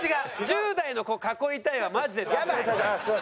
１０代の子を「囲いたい」はマジでダメだよ。